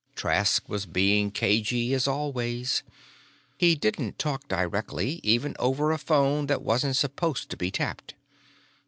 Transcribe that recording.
Trask was being cagey, as always. He didn't talk directly, even over a phone that wasn't supposed to be tapped.